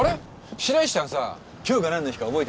白石ちゃんさ今日が何の日か覚えてないの？